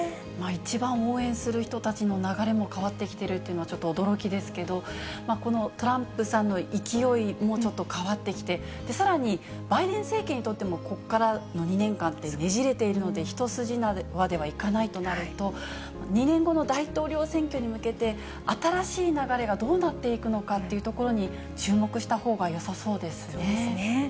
一番応援する人たちの流れも変わってきているというのは、ちょっと驚きですけど、このトランプさんの勢いもちょっと変わってきて、さらにバイデン政権にとっても、ここからの２年間って、ねじれているので、一筋縄ではいかないとなると、２年後の大統領選挙に向けて、新しい流れがどうなっていくのかっていうところに注目したほうがそうですね。